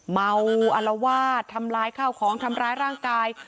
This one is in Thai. เมาอลวาดทำร้ายข้าวของทำร้ายร่างกาย